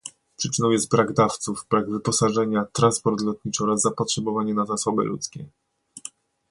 Przyczyną jest brak dawców, brak wyposażenia, transport lotniczy oraz zapotrzebowanie na zasoby ludzkie